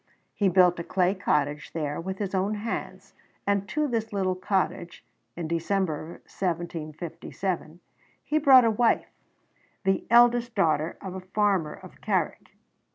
He built a clay cottage there with his own hands, and to this little cottage, in December 1757, he brought a wife, the eldest daughter of a farmer of Carrick.